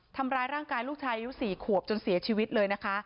ทำร้ายร่างกายลูกชายอายุ๔ขวบจนเสียชีวิตเลยนะคะ